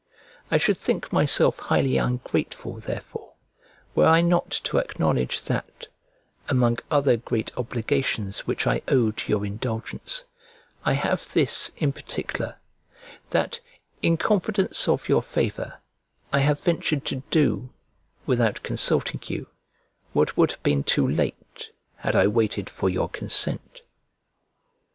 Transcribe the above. I should think myself highly ungrateful therefore, were I not to acknowledge that, among other great obligations which I owe to your indulgence, I have this in particular, that, in confidence of your favour, I have ventured to do, without consulting you, what would have been too late had I waited for your consent.